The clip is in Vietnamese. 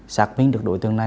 xác minh được đối tượng này